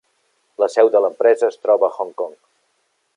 La seu de l'empresa es troba a Hong Kong.